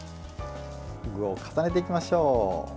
具を重ねていきましょう。